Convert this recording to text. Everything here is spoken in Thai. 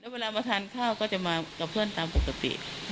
เวลามาทานข้าวก็จะมากับเพื่อนตามปกติ